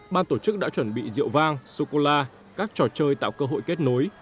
ban tổ chức đã chuẩn bị rượu vang sô cô la các trò chơi tạo cơ hội kết nối